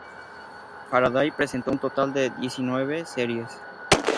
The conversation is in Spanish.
Faraday presentó un total de diecinueve series.